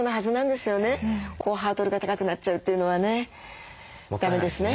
ハードルが高くなっちゃうというのはねだめですね。